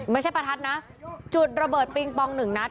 ประทัดนะจุดระเบิดปิงปองหนึ่งนัด